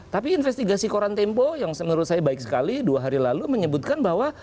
tapi investigasi koran tempo yang menurut saya baik sekali dua hari lalu menyebutkan bahwa